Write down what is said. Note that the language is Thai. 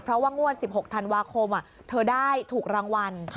เพราะว่างวด๑๖ธันวาคมเธอได้ถูกรางวัล